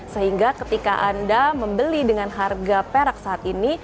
sehingga ketika anda membeli dengan harga perak saat ini